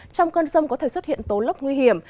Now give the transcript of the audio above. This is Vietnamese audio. trong cơn rông có thể xuất hiện tố lốc nguy hiểm